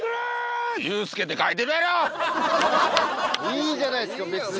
いいじゃないですか別に。